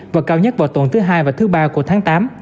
và cao nhất vào tuần thứ hai và thứ ba của tháng tám